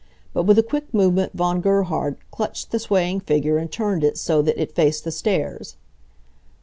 But with a quick movement Von Gerhard clutched the swaying figure and turned it so that it faced the stairs.